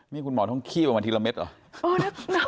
นี่คุณหมอต้องขี้ออกมาทีละเม็ดเหรอ